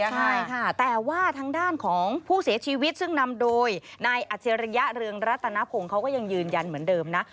ใช่ค่ะแต่ว่าทางด้านของผู้เสียชีวิตซึ่งนำโดยนายอัจฉริยะเรืองรัตนพงศ์เขาก็ยังยืนยันเหมือนเดิมนะ